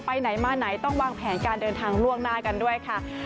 ไปไหนมาไหนต้องวางแผนการเดินทางล่วงหน้ากันด้วยค่ะ